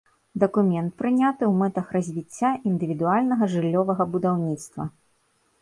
Дакумент прыняты ў мэтах развіцця індывідуальнага жыллёвага будаўніцтва.